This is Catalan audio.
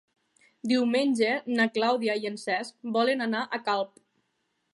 Diumenge na Clàudia i en Cesc volen anar a Calp.